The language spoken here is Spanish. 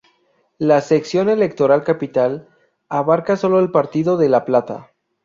La "Sección Electoral Capital", abarca solo el partido de La Plata.